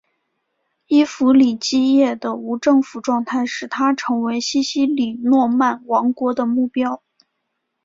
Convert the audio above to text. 伊弗里基叶的无政府状态使它成为西西里诺曼王国的目标。